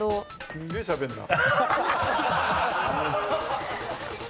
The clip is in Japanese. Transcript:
すんげえしゃべるな。